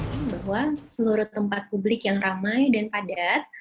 bahwa seluruh tempat publik yang ramai dan padat